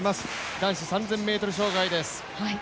男子３０００ｍ障害です。